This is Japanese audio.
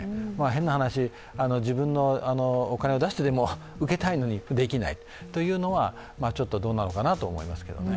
変な話、自分のお金を出してでも受けたいのにできないというのは、ちょっとどうなのかなと思いますけどね。